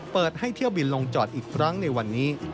เปิดให้เที่ยวบินลงจอดอีกครั้งในวันนี้